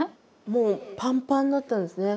もうパンパンだったんですね。